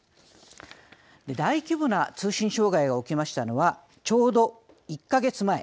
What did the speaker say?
大規模な通信障害が起きましたのはちょうど１か月前。